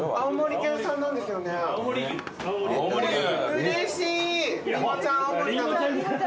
うれしい！